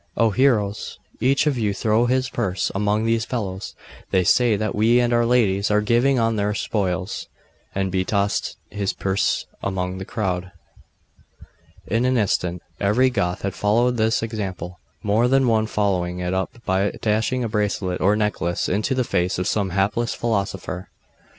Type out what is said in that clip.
'Oh! Heroes! each of you throw his purse among these fellows! they say that we and our ladies are living on their spoils!' And he tossed his purse among the crowd. In an instant every Goth had followed his example: more than one following it up by dashing a bracelet or necklace into the face of some hapless philosophaster.